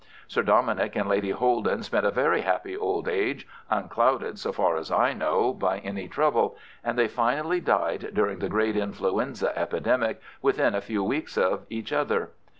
Sir Dominick and Lady Holden spent a very happy old age, unclouded, so far as I know, by any trouble, and they finally died during the great influenza epidemic within a few weeks of each other.